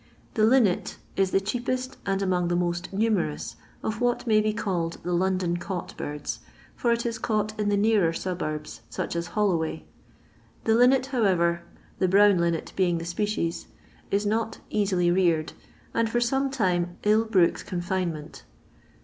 The Linnet is the cheapest and among the most numerous of what may be called the London caught birds, for it is caught in the nearer suburbs, sack as Holloway. The linnet, however, — the brown linnet being the species — is not easily reared, and for some time ill brooks confinement.